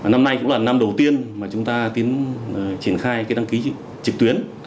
năm đầu tiên mà chúng ta tiến triển khai cái đăng ký trực tuyến